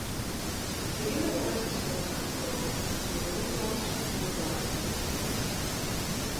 De hinnereis is mei de nachttrein en de weromreis mei de deitrein.